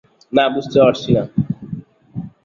না, বুঝতে পারছি না।